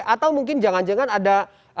atau mungkin jangan jangan ada